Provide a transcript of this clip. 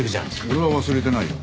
俺は忘れてないよ。